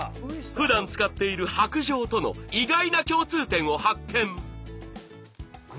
ふだん使っている白杖との意外な共通点を発見！